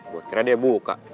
gue kira dia buka